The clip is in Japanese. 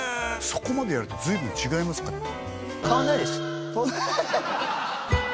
そこまでやると随分違いますか？